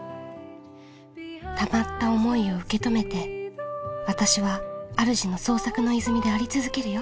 たまった想いを受け止めて私はあるじの創作の泉であり続けるよ。